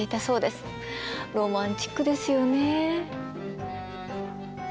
ロマンチックですよね。